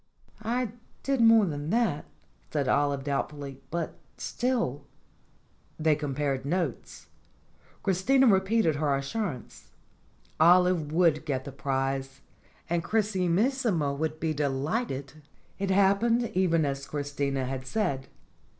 "I did more than that," said Olive doubtfully. "But, still " They compared notes. Christina repeated her as surance. Olive would get the prize, and Chrisimis sima would be delighted. It happened even as Christina had said.